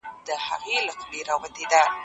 صنعتي پرمختګ مخکي پيل سوی وو.